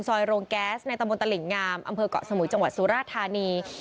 โรงแก๊สในตำบลตลิ่งงามอำเภอกเกาะสมุยจังหวัดสุราธานี